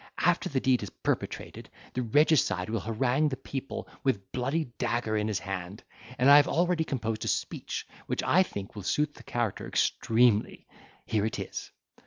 After the deed is perpetrated, the regicide will harangue the people with the bloody dagger in his hand; and I have already composed a speech, which, I think, will suit the character extremely. Here it is."